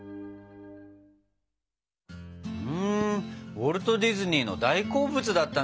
ウォルト・ディズニーの大好物だったんだね。